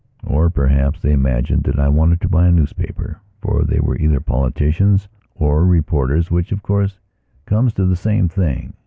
Or, perhaps, they imagined that I wanted to buy a newspaper, for they were either politicians or reporters, which, of course, comes to the same thing.